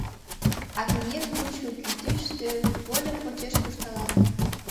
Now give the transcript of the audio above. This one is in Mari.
А кеҥеж мучко кӱтӱштӧ, вольык почеш куржталат.